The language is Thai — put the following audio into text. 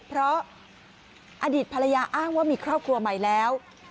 เพราะอดีตภรรยาอ้างว่ามีครอบครัวใหม่แล้ว